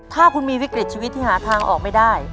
ถ้าคุณมีวิกฤตชีวิตที่หาทางออกไม่ได้